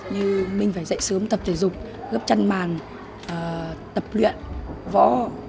như mình phải dậy sớm tập thể dục gấp chân màn tập luyện võ